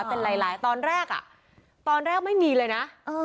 เป็นหลายตอนแรกอ่ะตอนแรกไม่มีเลยนะ